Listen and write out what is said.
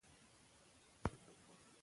د انتقاد په ځای د حل لار ولټوئ.